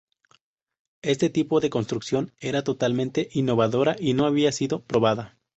Este tipo de construcción era totalmente innovadora y no había sido probada.